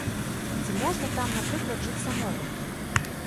Ці можна там, напрыклад, жыць самому?